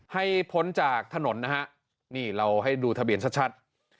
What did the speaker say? พ้นจากถนนนะฮะนี่เราให้ดูทะเบียนชัด